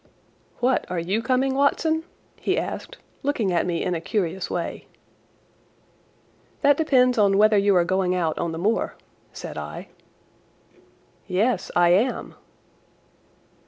"What, are you coming, Watson?" he asked, looking at me in a curious way. "That depends on whether you are going on the moor," said I. "Yes, I am."